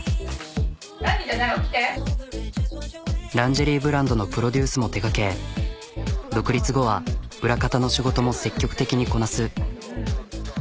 ランジェリーブランドのプロデュースも手がけ独立後は裏方の仕事も積極的にこなす。